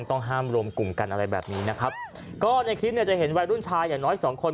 ต้องห้ามรวมกลุ่มกันอะไรแบบนี้นะครับก็ในคลิปเนี่ยจะเห็นวัยรุ่นชายอย่างน้อยสองคน